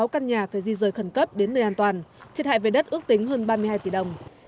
một trăm bốn mươi sáu căn nhà phải di rời khẩn cấp đến nơi an toàn thiệt hại về đất ước tính hơn ba mươi hai tỷ đồng